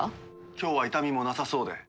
今日は痛みもなさそうで。